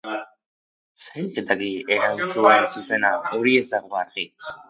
zeinek daki erantzun zuzena? hori ez dago argi